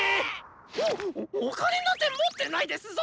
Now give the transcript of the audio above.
おっお金なんて持ってないですぞ！